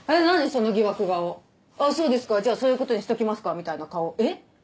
その疑惑顔ああーそうですかじゃあそういうことにしときますかみたいな顔えっ？